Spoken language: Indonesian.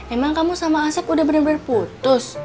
emang kamu sama asep udah bener bener putus